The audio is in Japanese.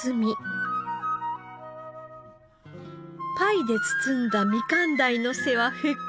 パイで包んだみかん鯛の背はふっくら。